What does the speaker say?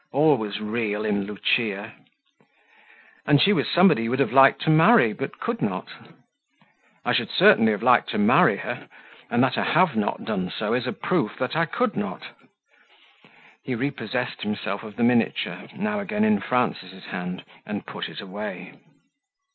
"All was real in Lucia." "And she was somebody you would have liked to marry but could not?" "I should certainly have liked to marry her, and that I HAVE not done so is a proof that I COULD not." He repossessed himself of the miniature, now again in Frances' hand, and put it away.